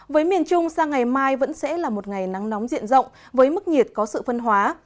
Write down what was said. với miền trung sang ngày mai vẫn sẽ là một ngày nắng nóng diện rộng với mức nhiệt có sự phân hóa